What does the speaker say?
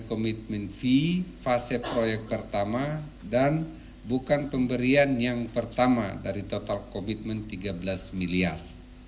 komitmen fee fase proyek pertama dan bukan pemberian yang pertama dari total komitmen tiga belas miliar